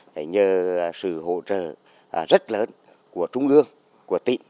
nhờ sự hỗ trợ rất lớn của trung ương của tỉnh